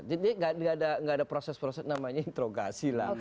jadi tidak ada proses proses namanya introgasi lah